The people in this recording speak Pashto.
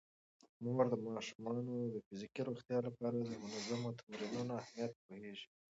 مور د ماشومانو د فزیکي روغتیا لپاره د منظمو تمرینونو اهمیت پوهیږي.